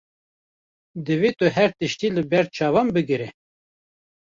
Divê tu her tiştî li ber çavan bigire.